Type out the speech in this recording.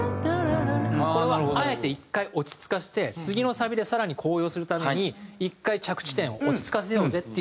これはあえて１回落ち着かせて次のサビで更に高揚するために１回着地点を落ち着かせようぜっていう転調なんですね。